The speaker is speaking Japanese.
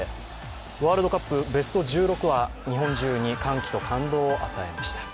ワールドカップベスト１６は日本中に歓喜と感動を与えました。